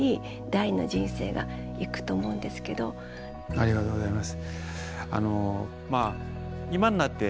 ありがとうございます。